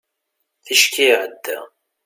ticki iɛedda